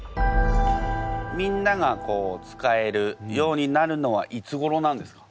みんなが使えるようになるのはいつごろなんですか？